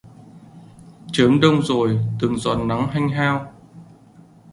Chớm đông rồi từng giọt nắng hanh hao